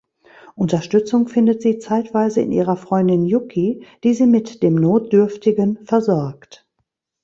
Unterstützung findet sie zeitweise in ihrer Freundin Yuki, die sie mit dem Notdürftigen versorgt.